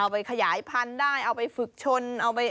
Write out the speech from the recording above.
เอาไปขยายพันธุ์ได้เอาไปฝึกชน